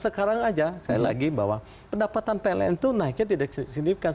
sekarang aja sekali lagi bahwa pendapatan pln itu naiknya tidak signifikan